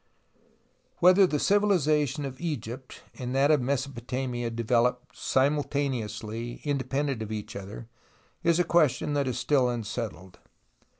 Whether the civilization of Egypt and that of Mesopotamia developed simultaneously independent of each other is a question that is still unsettled.